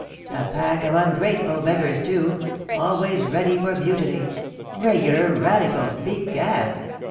A pack of ungrateful beggars too, always ready for mutiny regular radicals, begad!